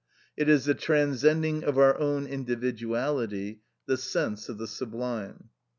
It is the transcending of our own individuality, the sense of the sublime.